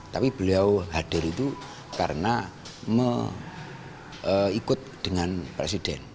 tapi beliau hadir itu karena mengikut dengan presiden